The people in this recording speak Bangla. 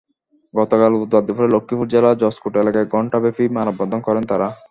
গতকাল বুধবার দুপুরে লক্ষ্মীপুর জেলা জজকোর্ট এলাকায় ঘণ্টাব্যাপী মানববন্ধন করেন তাঁরা।